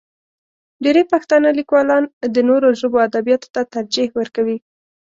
ډېری پښتانه لیکوالان د نورو ژبو ادبیاتو ته ترجیح ورکوي.